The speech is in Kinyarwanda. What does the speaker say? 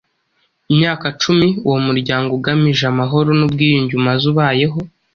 imyaka cumi uwo muryango ugamije amahoro n'ubwiyunge umaze ubayeho,